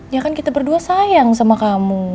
ya kan kita berdua sayang sama kamu